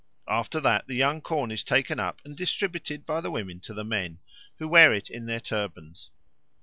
After that the young corn is taken up and distributed by the women to the men, who wear it in their turbans.